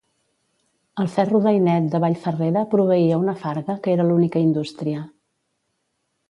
El ferro d'Ainet de Vallferrera proveïa una farga, que era l'única indústria.